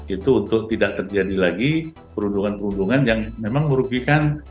itu untuk tidak terjadi lagi perundungan perundungan yang memang merugikan